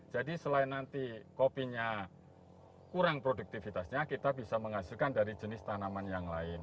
jadi selain nanti kopinya kurang produktivitasnya kita bisa menghasilkan dari jenis tanaman yang lain